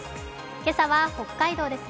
今朝は北海道です。